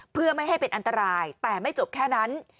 เพื่อไม่ให้เป็นอันตรายแต่ไม่จบแค่นั้น